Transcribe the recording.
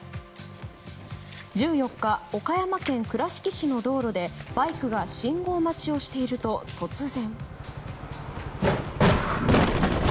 １４日、岡山県倉敷市の道路でバイクが信号待ちをしていると突然。